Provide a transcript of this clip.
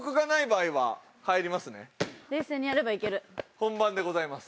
本番でございます。